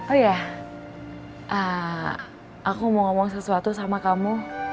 oh ya aku mau ngomong sesuatu sama kamu